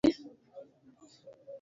Ne oko muli?